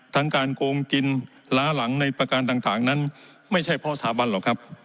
การโกงกินล้าหลังในประการต่างนั้นไม่ใช่เพราะสถาบันหรอกครับ